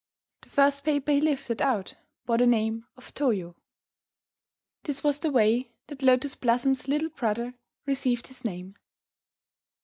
The first paper he lifted out bore the name of Toyo. This was the way that Lotus Blossom's little brother received his name.